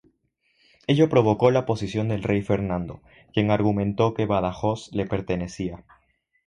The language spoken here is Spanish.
Ello provocó la oposición del rey Fernando, quien argumentó que Badajoz le pertenecía.